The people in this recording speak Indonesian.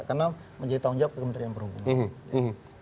karena menjadi tanggung jawab kementerian perhubungan